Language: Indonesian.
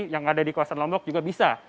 yang ada di kawasan lombok juga bisa